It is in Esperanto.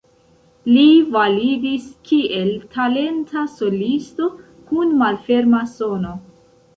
Li validis kiel talenta solisto kun malferma sono.